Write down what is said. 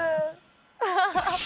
アハハハ。